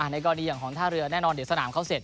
ในกรณีอย่างของท่าเรือแน่นอนเดี๋ยวสนามเขาเสร็จ